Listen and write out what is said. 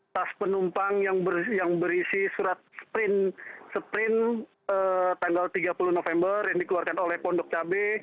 tas penumpang yang berisi surat sprint tanggal tiga puluh november yang dikeluarkan oleh pondok cabai